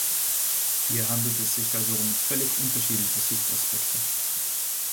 Hier handelt es sich also um völlig unterschiedliche Suchtaspekte.